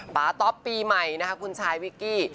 ป๊ต๊อปปีใหม่นะคะคุณชายวิกกี้